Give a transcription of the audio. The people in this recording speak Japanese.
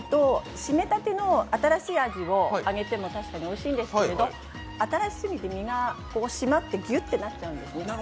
絞めたての新しいあじを揚げてももちろんおいしいんですけれども新しすぎて、身が締まって、ぎゅっとなってしまうんですね。